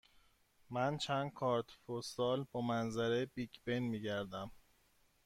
من چند کارت پستال با منظره بیگ بن می گردم.